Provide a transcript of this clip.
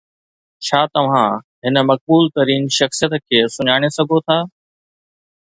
ڇا توهان هن مقبول ترين شخصيت کي سڃاڻي سگهو ٿا؟